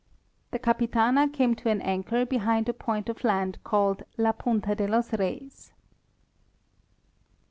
The Capitana came to an anchor behind a point of land called la Punta de los Reys.